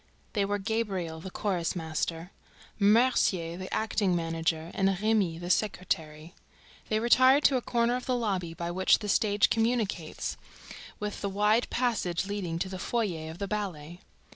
They were Gabriel, the chorus master; Mercier, the acting manager; and Remy, the secretary. They retired to a corner of the lobby by which the stage communicates with the wide passage leading to the foyer of the ballet.